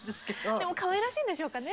でもかわいらしいんでしょうかね。